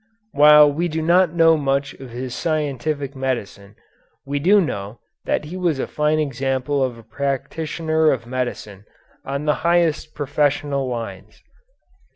While we do not know much of his scientific medicine, we do know that he was a fine example of a practitioner of medicine on the highest professional lines.